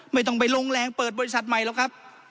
ไม่ต้องไปลงแรงเปิดบริษัทใหม่หรอกครับ